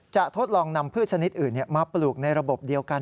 ทดลองนำพืชชนิดอื่นมาปลูกในระบบเดียวกัน